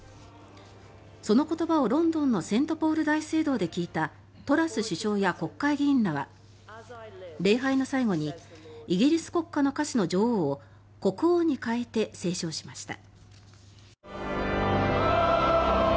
その言葉をロンドンのセントポール大聖堂で聞いたトラス首相や国会議員らは礼拝の最後にイギリス国歌の歌詞の女王を国王に替えて斉唱しました。